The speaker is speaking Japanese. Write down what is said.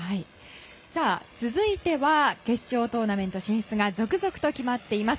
続いては決勝トーナメント進出が続々と決まっています。